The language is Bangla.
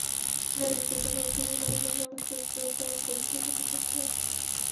নারী নির্যাতন হলে শুধু নারী নয়, সমাজ ক্ষতিগ্রস্ত হয়, পুরুষও ক্ষতিগ্রস্ত হয়।